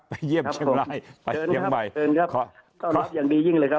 ไปเยี่ยมท่านไทยไปเชียงใหม่อย่างมียิ่งเลยครับท่านครับ